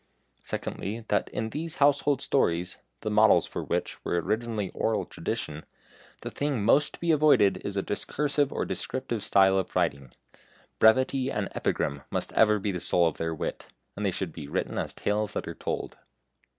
Secondly, that in these household stories (the models for which were originally oral tradition) the thing most to be avoided is a discursive or descriptive style of writing. Brevity and epigram must ever be soul of their wit, and they should be written as tales that are told.